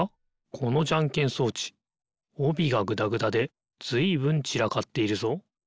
このじゃんけん装置おびがぐだぐだでずいぶんちらかっているぞ。